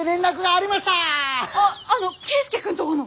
あっあの圭輔君とこの？